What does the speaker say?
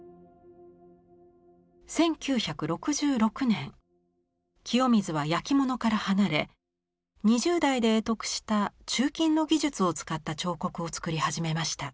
１９６６年清水は焼き物から離れ２０代で会得した鋳金の技術を使った彫刻を作り始めました。